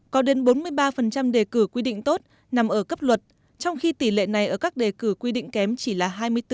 có đến bốn mươi ba đề cử quy định tốt nằm ở cấp luật trong khi tỷ lệ này ở các đề cử quy định kém chỉ là hai mươi bốn